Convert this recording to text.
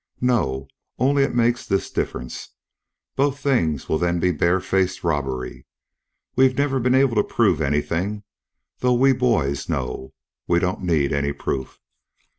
"No, only it makes this difference: both things will then be barefaced robbery. We've never been able to prove anything, though we boys know; we don't need any proof.